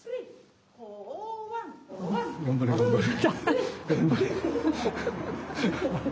頑張れ頑張れ。